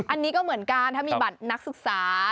อันนี้ก็เหมือนกันถ้ามีบัตรนักศึกษา